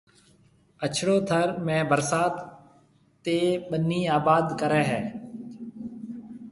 اڇڙو ٿر ۾ ڀرسات تَي ٻنِي آباد ڪرَي ھيََََ